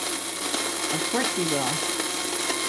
Of course we will.